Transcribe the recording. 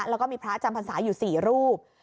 แล้วก็มีพระอาจารย์พันษาอยู่สี่รูป